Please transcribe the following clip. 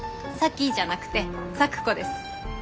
「さき」じゃなくて「さくこ」です。